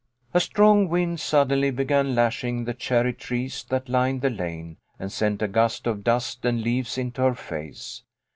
A strong wind suddenly began lashing the cherry trees that lined the lane, and sent a gust of dust and leaves into her face.